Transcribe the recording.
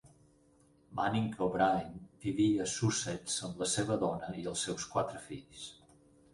Manning O'Brine vivia a Sussex amb la seva dona i els seus quatre fills.